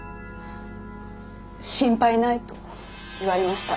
「心配ない」と言われました。